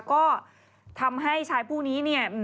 ก็ทำให้ชายผู้นี้เนี่ย